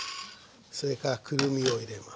それからくるみを入れます。